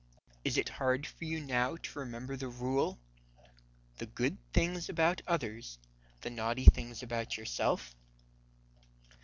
Is it hard for you now to remember the rule, 'The good things about others, the naughty things about yourself''?"